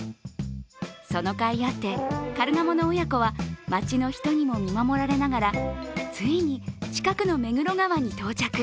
そのかいあって、カルガモの親子は街の人にも見守られながらついに、近くの目黒川に到着。